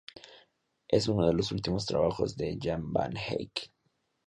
Es uno de los últimos trabajos de Jan van Eyck.